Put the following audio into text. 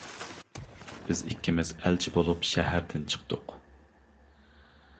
بىز ئىككىمىز ئەلچى بولۇپ شەھەردىن چىقتۇق.